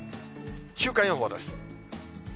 週間予報です。